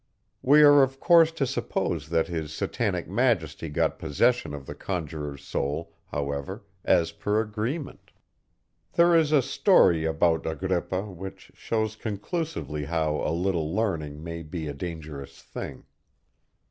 We are of course to suppose that his Satanic Majesty got possession of the conjuror's soul however, as per agreement. There is a story about Agrippa, which shows conclusively how "a little learning" may be "a dangerous thing."